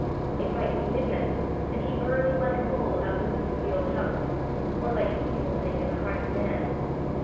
It might be midnight and he burrowing like a mole about the roots of the old house, or like an evil thing in the heart of a man!